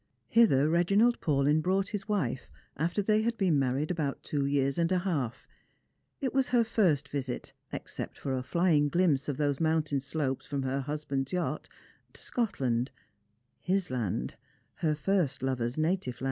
Hither Reginald Paulyn brought his wife after they had been married about two years and a half It was her fir st visit, ex cept for a flying glimpse of those mountain slopes from her hus band's yacht, to Scotland — Ida land, her first lover's native land.